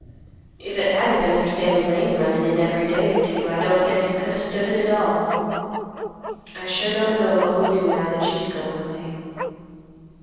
If it hadn't been for Sammy Lane runnin' in every day or two, I don't guess he could have stood it at all. I sure don't know what we'll do now that she's goin' away.